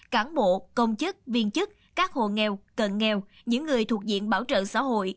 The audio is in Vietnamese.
cán bộ công chức viên chức các hồ nghèo cận nghèo những người thuộc diện bảo trợ xã hội